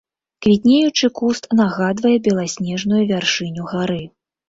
Квітнеючы куст нагадвае беласнежную вяршыню гары.